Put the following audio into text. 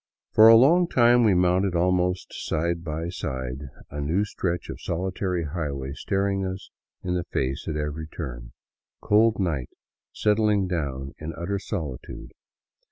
For a long time we mounted almost side by side, a new stretch of solitary highway staring us in the. face at every turn, cold night settling down in utter solitude.